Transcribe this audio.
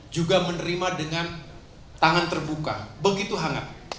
juga menerima dengan tangan terbuka begitu hangat